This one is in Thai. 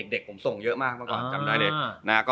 เด็กผมส่งเยอะมากเมื่อก่อนจำได้เลย